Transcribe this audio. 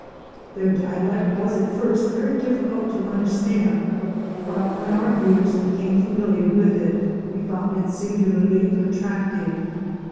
Their dialect was at first very difficult to understand, but when our ears became familiar with it we found it singularly attractive.